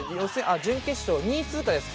準決勝２位通過です。